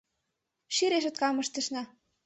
Ший решоткам ыштышна.